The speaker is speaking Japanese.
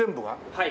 はい。